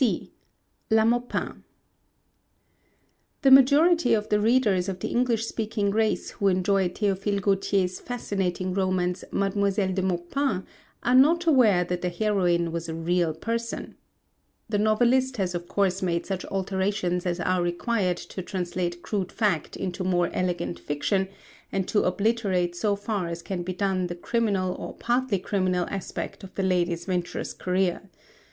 C. LA MAUPIN The majority of the readers of the English speaking race who enjoy Théophile Gautier's fascinating romance Mademoiselle de Maupin are not aware that the heroine was a real person. The novelist has of course made such alterations as are required to translate crude fact into more elegant fiction, and to obliterate so far as can be done the criminal or partly criminal aspect of the lady's venturous career.